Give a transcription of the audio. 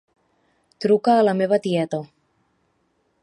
Truca a la meva tieta.